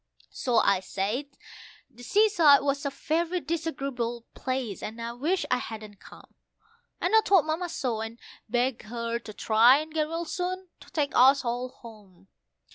So I said the seaside was a very disagreeable place, and I wished I hadn't come, And I told Mamma so, and begged her to try and get well soon, to take us all home.